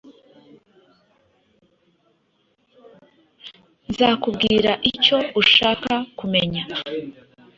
Nzakubwira icyo ushaka kumenya.